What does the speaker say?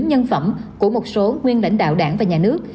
nhân phẩm của một số nguyên lãnh đạo đảng và nhà nước